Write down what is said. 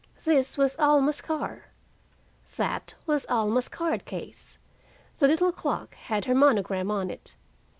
This was Alma's car; that was Alma's card case; the little clock had her monogram on it.